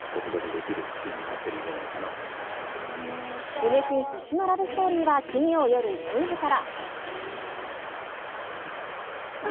胸キュン必至のラブストーリーは、金曜夜１０時から。